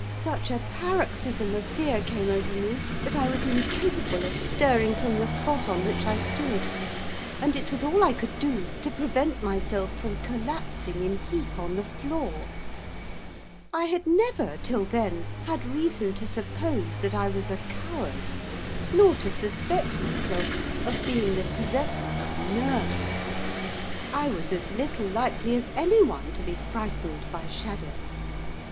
Such a paroxysm of fear came over me, that I was incapable of stirring from the spot on which I stood, and it was all I could do to prevent myself from collapsing in a heap on the floor. I had never, till then, had reason to suppose that I was a coward. Nor to suspect myself of being the possessor of 'nerves.' I was as little likely as anyone to be frightened by shadows.